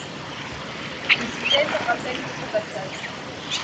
Une stèle rappelle ce passage.